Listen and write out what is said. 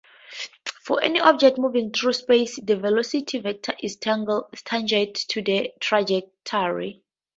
For any object moving through space, the velocity vector is tangent to the trajectory.